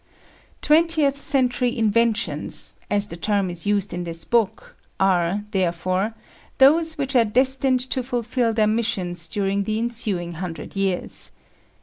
Twentieth century inventions as the term is used in this book are, therefore, those which are destined to fulfil their missions during the ensuing hundred years.